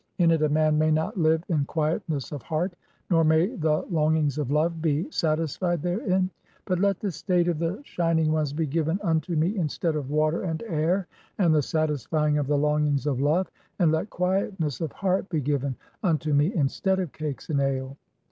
In it "a man may not live in quietness of heart ; nor may the long ings of love be satisfied (12) therein. But let the state of 326 THE CHAPTERS OF COMING FORTH BY DAY "the shining ones he given unto me instead of water and air "and the satisfying of the longings of love, and let quietness "of heart be given unto me instead of cakes (i3) and ale.